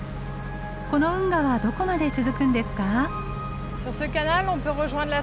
この運河はどこまで続くんですか。